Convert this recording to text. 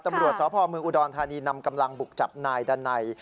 ตำรวจสพเมืองอุดรธานีนำกำลังบุกจับนายดันไน